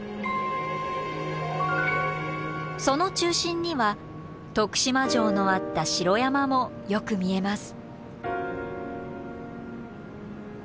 その中心には徳島城のあった城山もよく見えます。